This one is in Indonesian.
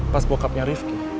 pas bokapnya rifki